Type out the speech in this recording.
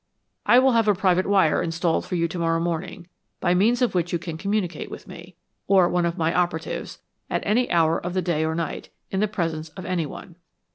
I will have a private wire installed for you to morrow morning, by means of which you can communicate with me, or one of my operatives, at any hour of the day or night, in the presence of anyone.